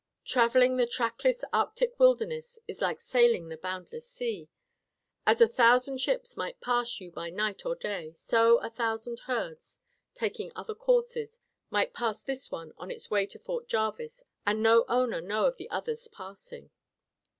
Traveling the trackless Arctic wilderness is like sailing the boundless sea. As a thousand ships might pass you by night or day, so a thousand herds, taking other courses, might pass this one on its way to Fort Jarvis and no owner know of the others passing.